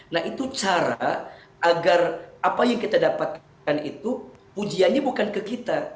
nah itu cara agar apa yang kita dapatkan itu pujiannya bukan ke kita